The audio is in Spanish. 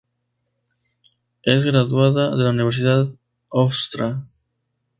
Es graduada de la Universidad Hofstra.